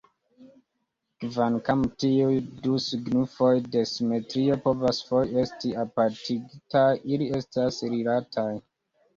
Kvankam tiuj du signifoj de "simetrio" povas foje esti apartigitaj, ili estas rilataj.